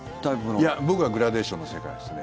いや、僕はグラデーションの世界ですね。